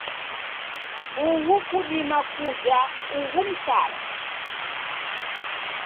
Uhu kudima kuja ughu msara?